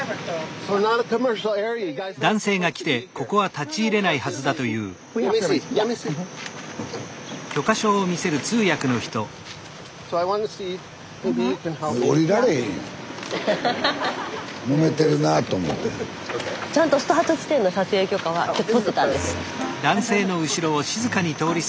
スタジオちゃんとスタート地点の撮影許可は取ってたんです。